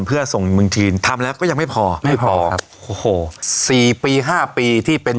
เพื่อส่งเมืองจีนทำแล้วก็ยังไม่พอไม่พอครับโอ้โหสี่ปีห้าปีที่เป็น